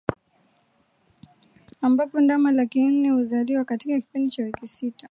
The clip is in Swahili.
ambapo ndama laki nne huzaliwa katika kipindi cha wiki sita